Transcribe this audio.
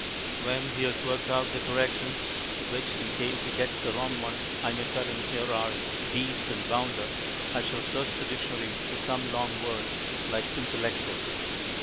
When he has worked out the corrections which, in case he gets the wrong ones, I may tell him here are "beast" and "bounder" I shall search the dictionary for some long word like "intellectual."